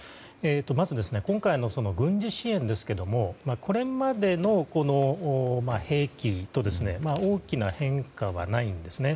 まず、今回の軍事支援ですがこれまでの兵器と大きな変化はないんですね。